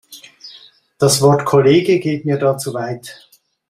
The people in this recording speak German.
Das Wort Kollege geht mir da zu weit.